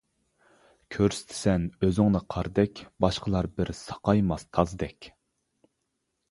كۆرسىتىسەن ئۆزۈڭنى قاردەك، باشقىلار بىر ساقايماس تازدەك.